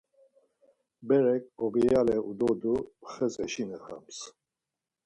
Berek obiyale udodu xez eşinaxams.